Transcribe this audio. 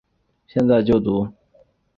现就读于。